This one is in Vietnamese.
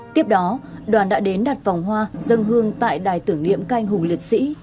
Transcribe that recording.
tiếp đó đoàn đã đến đặt vòng hoa dân hương tại đài tưởng niệm canh hùng liệt sĩ